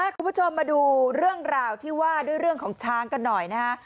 คุณผู้ชมมาดูเรื่องราวที่ว่าด้วยเรื่องของช้างกันหน่อยนะฮะ